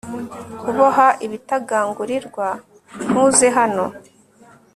Kuboha ibitagangurirwa ntuze hano